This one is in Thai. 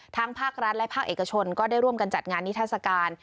ภาครัฐและภาคเอกชนก็ได้ร่วมกันจัดงานนิทัศกาล